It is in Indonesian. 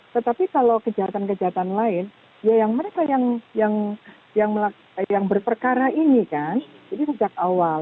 tetapi kalau kejahatan kejahatan lain ya yang mereka yang berperkara ini kan ini sejak awal